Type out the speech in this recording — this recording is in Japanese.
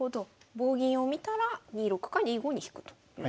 棒銀を見たら２六か２五に引くということなんですね。